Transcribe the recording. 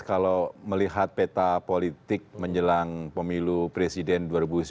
kalau melihat peta politik menjelang pemilu presiden dua ribu sembilan belas